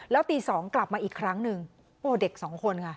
แล้วตี๒กลับมาอีกครั้งหนึ่งโอ้เด็กสองคนค่ะ